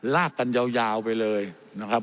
ลากกันยาวไปเลยนะครับ